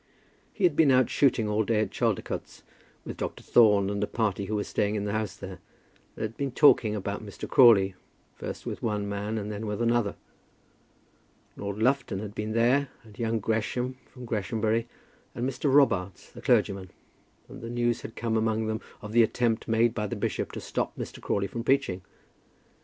He had been out shooting all day at Chaldicotes, with Dr. Thorne and a party who were staying in the house there, and had been talking about Mr. Crawley, first with one man and then with another. Lord Lufton had been there, and young Gresham from Greshamsbury, and Mr. Robarts the clergyman, and news had come among them of the attempt made by the bishop to stop Mr. Crawley from preaching.